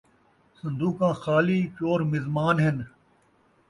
صن٘دوقاں خالی ، چور مزمان ہن